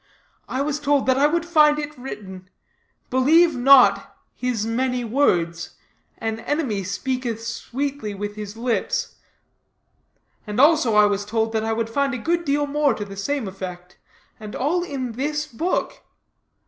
I was told that I would find it written 'Believe not his many words an enemy speaketh sweetly with his lips' and also I was told that I would find a good deal more to the same effect, and all in this book.